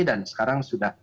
dan sekarang sudah